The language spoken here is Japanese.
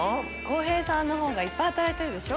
洸平さんのほうがいっぱい働いてるでしょ。